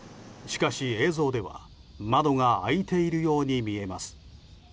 しかし、映像では窓が開いているように見えます。